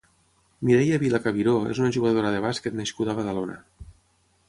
Mireia Vila Cabiró és una jugadora de bàsquet nascuda a Badalona.